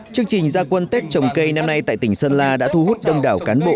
chương trình gia quân tết trồng cây năm nay tại tỉnh sơn la đã thu hút đông đảo cán bộ